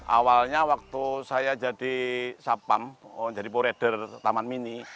awalnya waktu saya jadi sapam jadi po rider taman hini